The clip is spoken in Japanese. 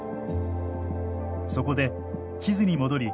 そこで地図に戻り